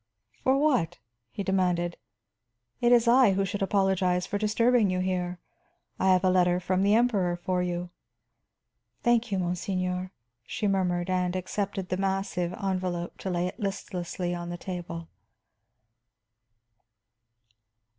"For what?" he demanded. "It is I who should apologize for disturbing you here. I have a letter from the Emperor for you." "Thank you, monseigneur," she murmured, and accepted the massive envelop to lay it listlessly on the table.